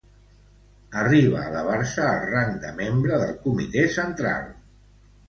Arriba a elevar-se al rang de membre del Comitè Central.